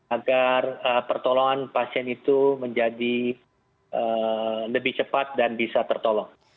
agar pertolongan pasien itu menjadi lebih cepat dan bisa tertolong